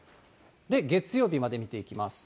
月曜日まで見ていきます。